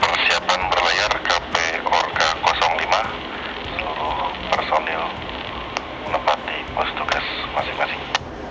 kepada persiapan berlayar kp orca lima seluruh personil menempat di pos tugas masing masing